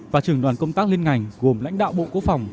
và trưởng đoàn công tác lên ngành gồm lãnh đạo bộ quốc phòng